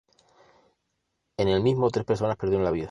En el mismo tres personas perdieron la vida.